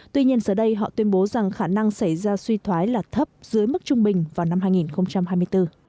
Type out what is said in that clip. tuy nhiên giờ đây họ tuyên bố rằng khả năng xảy ra suy thoái là thấp dưới mức trung bình vào năm hai nghìn hai mươi bốn